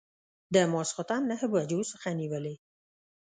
د ماخوستن نهه بجو څخه نیولې.